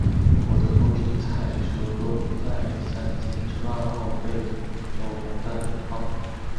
胡的父亲蔡叔度在三监之乱后被周公旦流放。